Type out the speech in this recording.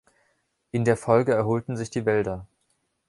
In der Folge erholten sich die Wälder.